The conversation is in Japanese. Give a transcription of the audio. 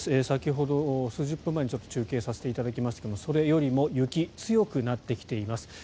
先ほど、数十分前に中継させていただきましたがそれよりも雪強くなってきています。